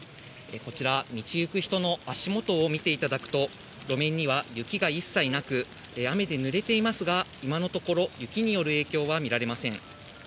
こちら、道行く人の足元を見ていただくと、路面には雪が一切なく、雨でぬれていますが、今のところ、雪による影響は見られません。